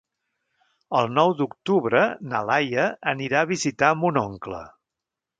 El nou d'octubre na Laia anirà a visitar mon oncle.